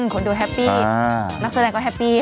คนดูแฮปปี้นักแสดงก็แฮปปี้